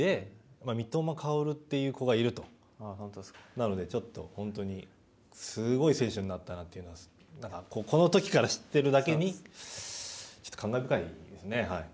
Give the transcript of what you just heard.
なのでちょっと本当に、すごい選手になったなといいますかこのときから知っているだけにちょっと感慨深いですね。